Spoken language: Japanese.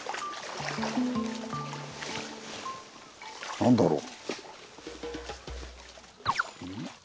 何だろう？